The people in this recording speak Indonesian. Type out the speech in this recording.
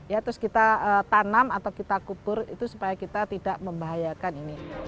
ya terus kita tanam atau kita kubur itu supaya kita tidak membahayakan ini